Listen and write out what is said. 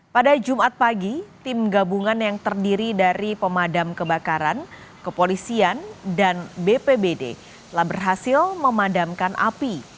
pada jumat pagi tim gabungan yang terdiri dari pemadam kebakaran kepolisian dan bpbd telah berhasil memadamkan api